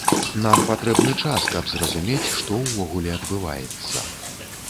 Нам патрэбны час, каб зразумець, што ўвогуле адбываецца.